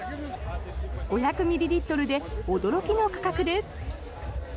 ５００ミリリットルで驚きの価格です。